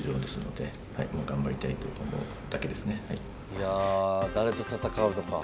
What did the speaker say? いや誰と戦うのか。